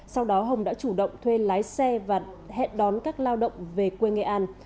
sau đó hồng đã chủ động thuê lái xe và hẹn đón các lao động về quê nghệ an